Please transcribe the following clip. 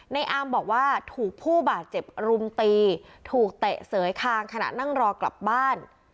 อามบอกว่าถูกผู้บาดเจ็บรุมตีถูกเตะเสยคางขณะนั่งรอกลับบ้าน